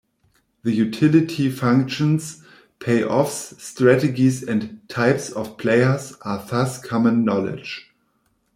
The utility functions, payoffs, strategies and "types" of players are thus common knowledge.